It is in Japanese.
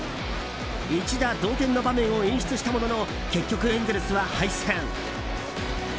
一打同点の場面を演出したものの結局、エンゼルスは敗戦。